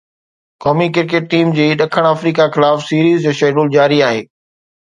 قومي cricket team جي ڏکڻ آفريڪا خلاف سيريز جو شيڊول جاري آهي